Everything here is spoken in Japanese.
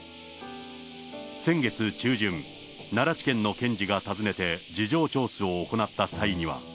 先月中旬、奈良地検の検事が訪ねて、事情聴取を行った際には。